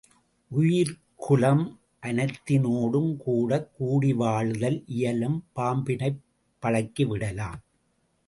உயிர்க்குலம் அனைத்தினோடும் கூடக் கூடி வாழ்தல் இயலும், பாம்பினைப் பழக்கிவிடலாம்.